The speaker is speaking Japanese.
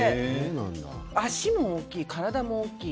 足も大きい、体も大きい。